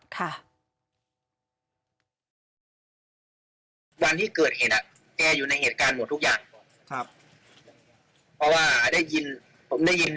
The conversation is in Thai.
วันที่เกิดเหตุแกอยู่ในเหตุการณ์หมดทุกอย่าง